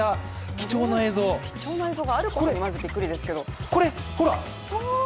貴重な映像があることにまずびっくりですけどこれ、ほら！